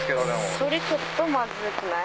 それちょっとまずくない？